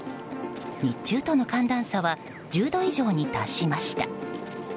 日中との寒暖差は１０度以上に達しました。